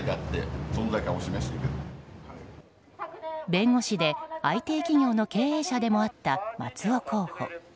弁護士でＩＴ企業の経営者でもあった松尾候補。